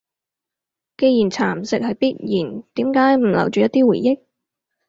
既然蠶蝕係必然，點解唔留住一啲回憶？